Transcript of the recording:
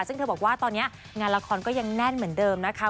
ซึ่งเธอบอกว่าตอนนี้งานละครก็ยังแน่นเหมือนเดิมนะคะ